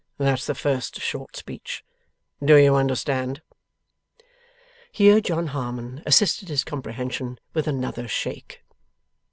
That's the first short speech, do you understand?' Here, John Harmon assisted his comprehension with another shake.